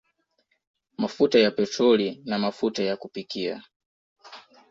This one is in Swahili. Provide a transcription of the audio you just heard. Mafuta ya petroli na mafuta ya kupikia